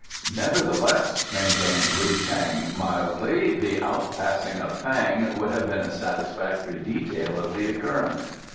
"Nevertheless," maintained Wei Chang mildly, "the out passing of Fang would have been a satisfactory detail of the occurrence."